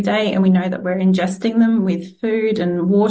dan kita tahu bahwa kita mengunjungi mereka dengan makanan dan air